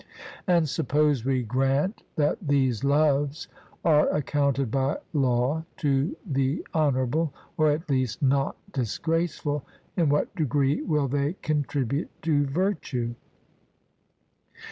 And suppose we grant that these loves are accounted by law to the honourable, or at least not disgraceful, in what degree will they contribute to virtue?